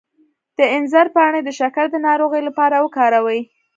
د انځر پاڼې د شکر د ناروغۍ لپاره وکاروئ